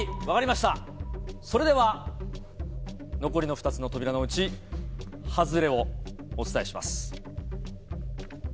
それでは残りの２つの扉のうち外れをお伝えします。